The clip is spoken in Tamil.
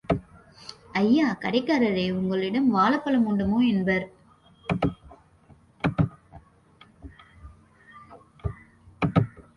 ஐயா, கடைக்காரரே உங்களிடம் வாளபளம் உண்டுமோ? என்பர்.